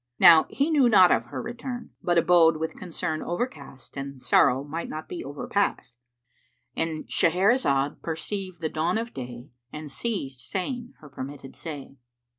Now he knew not of her return; but abode with concern overcast and sorrow might not be overpast;—And Shahrazad perceived the dawn of day and ceased saying her permitted say.